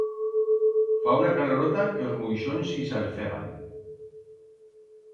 Fa una calorota que os muixons ixalfegan.